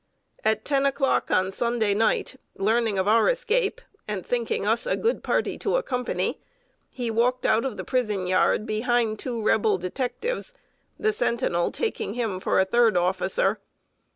At ten o'clock, on Sunday night, learning of our escape, and thinking us a good party to accompany, he walked out of the prison yard behind two Rebel detectives, the sentinel taking him for a third officer.